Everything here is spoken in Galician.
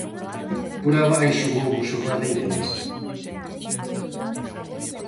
Por abaixo houbo xornada intensa.